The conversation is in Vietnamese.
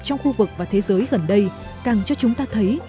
trong khu vực và thế giới gần đây càng cho chúng ta thấy